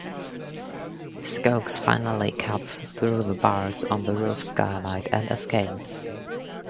Skokes finally cuts through the bars on the roof skylight and escapes.